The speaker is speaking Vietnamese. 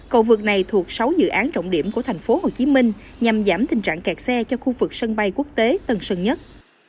cầu vượt này thuộc sáu dự án trọng điểm của tp hcm nhằm giảm tình trạng kẹt xe cho khu vực sân bay quốc tế tân sơn nhất